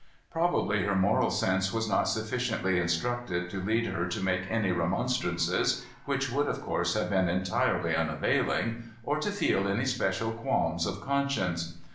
Probably her moral sense was not sufficiently instructed to lead her to make any remonstrances, which would, of course, have been entirely unavailing, or to feel any special qualms of conscience.